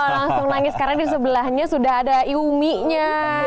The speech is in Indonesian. langsung nangis karena di sebelahnya sudah ada iu mi nya